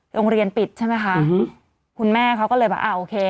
โรงเรียนปิดใช่ไหมคะคุณแม่เขาก็เลยแบบอ่าโอเค